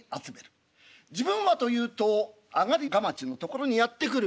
自分はというと上がりかまちのところにやって来る。